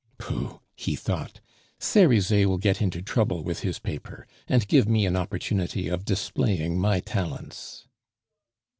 "Pooh!" he thought, "Cerizet will get into trouble with his paper, and give me an opportunity of displaying my talents."